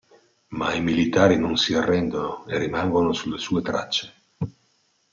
Ma i militari non si arrendono e rimangono sulle sue tracce.